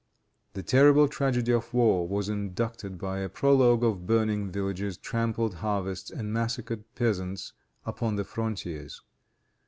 The terrible tragedy of war was inducted by a prologue of burning villages, trampled harvests and massacred peasants, upon the frontiers.